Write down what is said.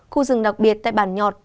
khu rừng đặc biệt tại bản nhọt